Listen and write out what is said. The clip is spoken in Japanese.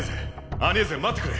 アニェーゼ待ってくれ。